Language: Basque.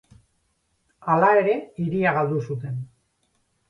Hala ere, hiria galdu zuten.